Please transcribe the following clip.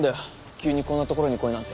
急にこんな所に来いなんて。